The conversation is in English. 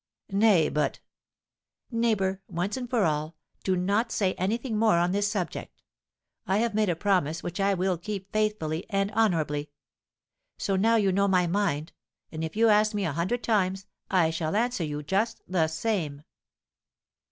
"Nay, but " "Neighbour, once and for all, do not say anything more on this subject. I have made a promise which I will keep faithfully and honourably; so now you know my mind, and if you ask me a hundred times, I shall answer you just the same."